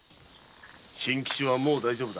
真吉はもう大丈夫だ。